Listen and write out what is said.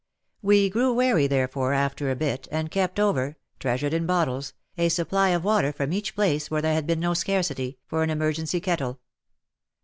We grew wary, therefore, after a bit, and kept over — treasured in bottles — a supply of water from each place where there had been no scarcity, for an emergency kettle.